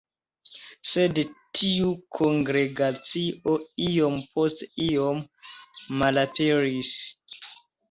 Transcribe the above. Sed tiu kongregacio iom post iom malaperis.